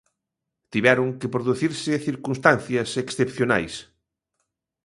Tiveron que producirse circunstancias excepcionais.